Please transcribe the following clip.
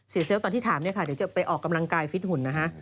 เซลล์ตอนที่ถามเนี่ยค่ะเดี๋ยวจะไปออกกำลังกายฟิตหุ่นนะคะ